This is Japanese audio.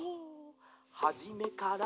「はじめから」